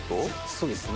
そうですね。